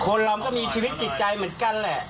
คนเราก็มีชีวิตจิตใจเหมือนกันแหละ